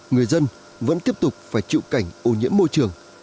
người dân vẫn tiếp tục phải chịu cảnh ô nhiễm môi trường